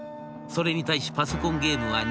それに対しパソコンゲームは２００億円。